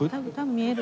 見える？